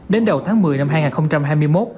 đến đầu tháng một mươi năm hai nghìn hai mươi một